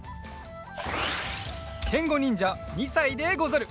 けんごにんじゃ２さいでござる。